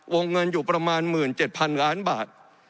วงเงินอยู่ประมาณ๑๗๐๐๐ล้านบาท